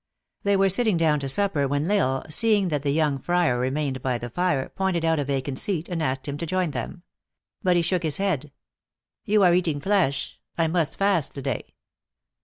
They were sitting down to supper when L Isle, see ing that the young friar remained by the fire, pointed out a vacant seat, and asked him to join them. But he shook his head. " You are eating flesh. I must fast to day."